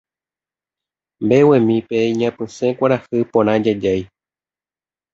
Mbeguemípe iñapysẽ kuarahy porã jajái